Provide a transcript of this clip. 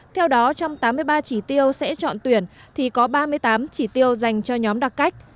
theo đó trong tám mươi ba chỉ tiêu sẽ chọn tuyển thì có ba mươi tám chỉ tiêu dành cho nhóm đặc cách